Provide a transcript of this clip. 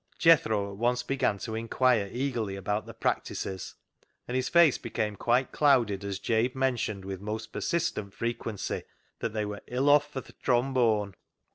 Jethro at once began to inquire eagerly about the practices, and his face became quite clouded as Jabe mentioned with most per sistent frequency that they were " ill off for th' trombone."